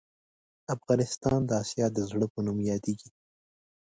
افغانستان د اسیا د زړه په نوم یادیږې